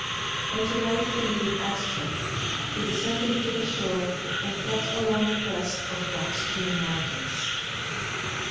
On July 3 with Astrup he de scended to the shore and kej)t along the crest of rock strewn mountains.